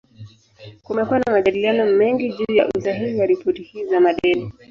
Kumekuwa na majadiliano mengi juu ya usahihi wa ripoti hizi za madeni.